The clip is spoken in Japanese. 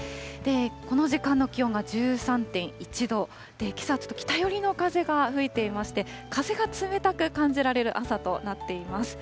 この時間の気温が１３．１度、けさは北寄りの風が吹いていまして、風が冷たく感じられる朝となっています。